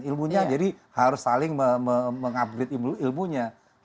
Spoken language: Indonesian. ilmunya jadi harus saling mengupgrade ilmunya